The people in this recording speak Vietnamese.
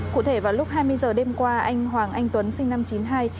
cụ thể vào lúc hai mươi giờ đêm qua anh hoàng anh tuấn sinh năm chín mươi hai